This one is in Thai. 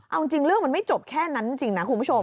เอาจริงเรื่องมันไม่จบแค่นั้นจริงนะคุณผู้ชม